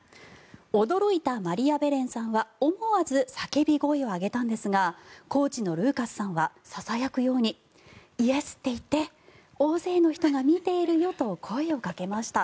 驚いたマリアベレンさんは思わず叫び声を上げたんですがコーチのルーカスさんはささやくようにイエスって言って大勢の人が見ているよと声をかけました。